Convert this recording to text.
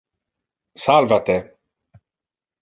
Salva te.